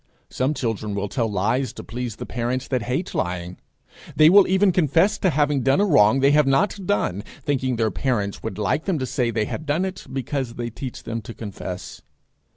Some children will tell lies to please the parents that hate lying. They will even confess to having done a wrong they have not done, thinking their parents would like them to say they had done it, because they teach them to confess.